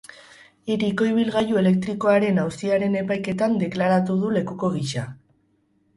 Hiriko ibilgailu elektrikoaren auziaren epaiketan deklaratu du lekuko gisa.